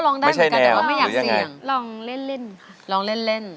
ลองเล่น